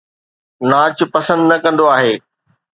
ناچ پسند نه ڪندو آهي